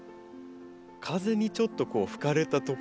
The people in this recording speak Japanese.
風にちょっとこう吹かれたとこ。